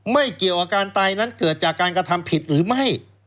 ไม่เกี่ยวกับการตายนั้นเกิดจากการกระทำผิดหรือไม่